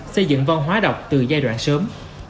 xây dựng văn hóa đọc từ giai đoạn sớm